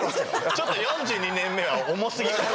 ちょっと４２年目は重すぎます。